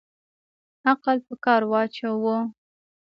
عقل په کار واچوه